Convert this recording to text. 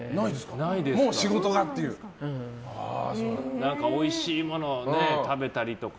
何かおいしいものを食べたりとか。